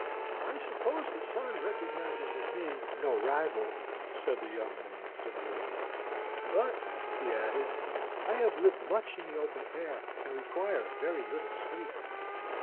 "I suppose the sun recognizes in me no rival," said the young man, demurely. "But," he added, "I have lived much in the open air, and require very little sleep."